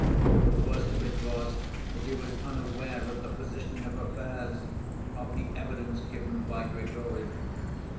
The worst of it was that he was unaware of the position of affairs, of the evidence given by Grigory.